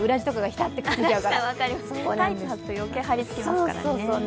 タイツはくと余計張り付きますからね。